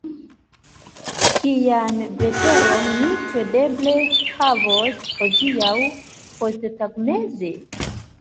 Kian veteron ni kredeble havos hodiaŭ posttagmeze?